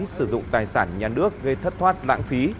sử dụng tài sản nhà nước gây thất thoát lãng phí